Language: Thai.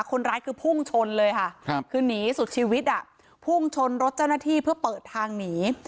คนร้ายคือพุ่งชนเลยค่ะคือหนีสุดชีวิตอ่ะพุ่งชนรถเจ้าหน้าที่เพื่อเปิดทางหนี